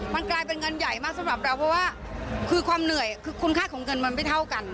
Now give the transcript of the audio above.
มันกลายเป็นเงินใหญ่มากสำหรับเราเพราะว่าคือความเหนื่อยคือคุณค่าของเงินมันไม่เท่ากัน